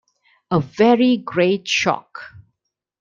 A very great shock.